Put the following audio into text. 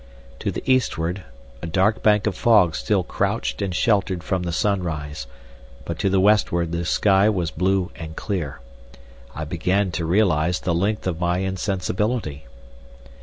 To the eastward a dark bank of fog still crouched and sheltered from the sunrise, but to the westward the sky was blue and clear. I began to realise the length of my insensibility.